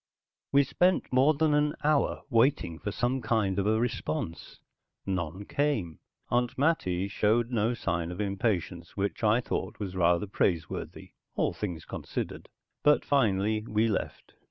We spent more than an hour waiting for some kind of a response. None came. Aunt Mattie showed no sign of impatience, which I thought was rather praiseworthy, all things considered. But finally we left.